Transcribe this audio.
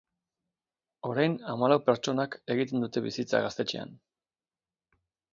Orain hamalau pertsonak egiten dute bizitza gaztetxean.